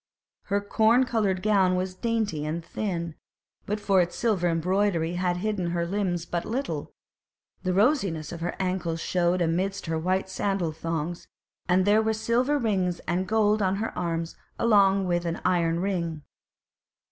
Her corn coloured gown was dainty and thin, and but for its silver embroidery had hidden her limbs but little; the rosiness of her ancles showed amidst her white sandal thongs, and there were silver rings and gold on her arms along with the iron ring.